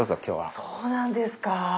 そうなんですか。